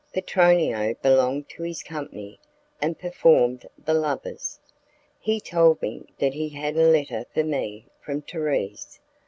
Petronio belonged to his company, and performed the lovers. He told me that he had a letter for me from Thérèse.